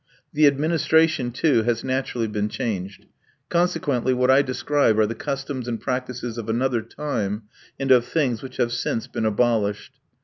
The administration, too, has naturally been changed; consequently what I describe are the customs and practices of another time, and of things which have since been abolished.